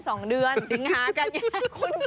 สิงหากัญญาก่อนสิ